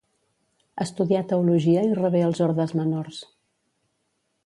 Estudià teologia i rebé els ordes menors.